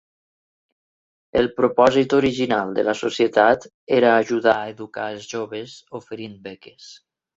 El propòsit original de la societat era ajudar a educar els joves oferint beques.